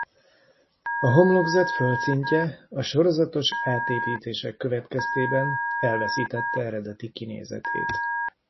A homlokzat földszintje a sorozatos átépítések következtében elveszítette eredeti kinézetét.